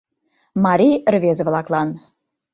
МАРИЙ РВЕЗЕ-ВЛАКЛАН